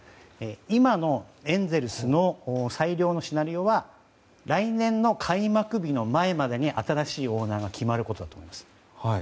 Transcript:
今のエンゼルスの最良のシナリオは来年の開幕日の前までに新しいオーナーが決まることだと思います。